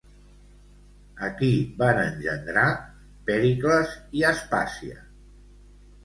A qui van engendrar Pèricles i Aspàsia?